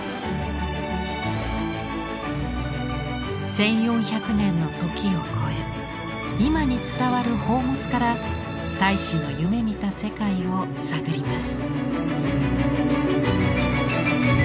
１，４００年の時を超え今に伝わる宝物から太子の夢みた世界を探ります。